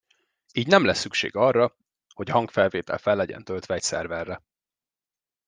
Így nem lesz szükség arra, hogy a hangfelvétel fel legyen töltve egy szerverre.